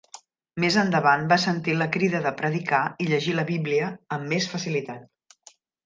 Més endavant va sentir la crida de predicar i llegir la Bíblia amb més facilitat.